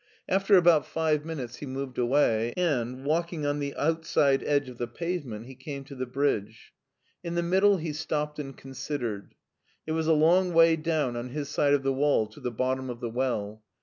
After about five minutes he moved away, and walking on the outside edge of the pavement he came to the bridge. In the middle he stopped and considered. It was a long way down on his side of the wall to the bottom of the well.